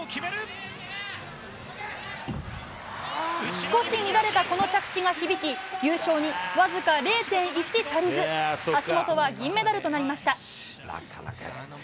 少し乱れた、この着地が響き優勝にわずか０．１足りず橋本は銀メダルとなりました。